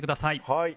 はい。